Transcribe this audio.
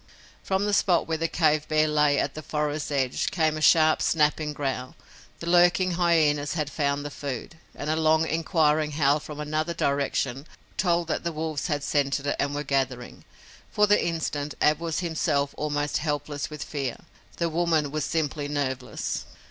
From the spot where the cave bear lay at the forest's edge came a sharp, snapping growl. The lurking hyenas had found the food, and a long, inquiring howl from another direction told that the wolves had scented it and were gathering. For the instant Ab was himself almost helpless with fear. The woman was simply nerveless.